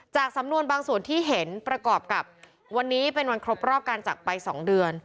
สำนวนบางส่วนที่เห็นประกอบกับวันนี้เป็นวันครบรอบการจักรไป๒เดือน